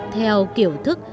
theo kiểu thức